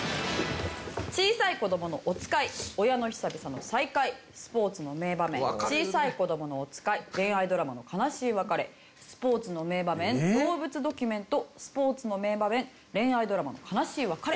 「小さい子供のおつかい」「親の久々の再会」「スポーツの名場面」「小さい子供のおつかい」「恋愛ドラマの悲しい別れ」「スポーツの名場面」「動物ドキュメント」「スポーツの名場面」「恋愛ドラマの悲しい別れ」。